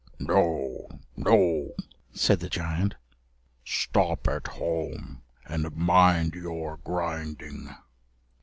"No, no," said the giant, "stop at home and mind your grinding."